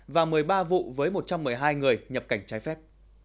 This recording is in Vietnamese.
và một mươi ba vụ với một trăm một mươi hai người nhập cảnh trái phép